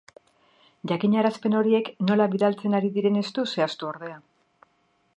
Jakinarazpen horiek nola bidaltzen ari diren ez du zehaztu, ordea.